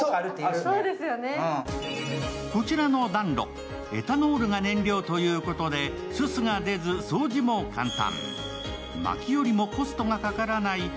こちらの暖炉、エタノールが燃料ということで、すすが出ず、掃除も簡単。